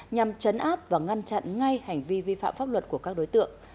nhằm chấn áp và ngăn chặn ngay hành vi vi phạm pháp luật của các đối tượng